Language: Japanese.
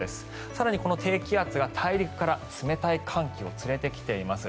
更にこの低気圧が大陸から冷たい寒気を連れてきています。